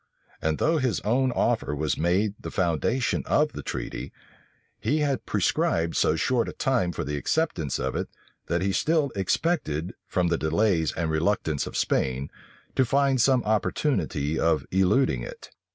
And though his own offer was made the foundation of the treaty, he had prescribed so short a time for the acceptance of it that he still expected, from the delays and reluctance of Spain, to find some opportunity of eluding it.